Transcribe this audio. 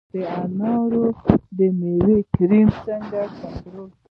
د انارو د میوې کرم څنګه کنټرول کړم؟